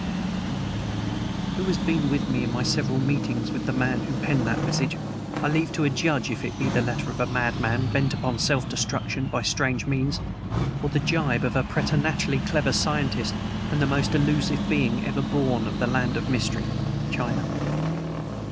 Who has been with me in my several meetings with the man who penned that message I leave to adjudge if it be the letter of a madman bent upon self destruction by strange means, or the gibe of a preternaturally clever scientist and the most elusive being ever born of the land of mystery China.